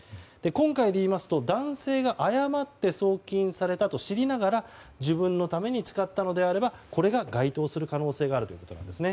今回でいいますと、男性が誤って送金されたと知りながら自分のために使ったのであればこれが該当する可能性があるということです。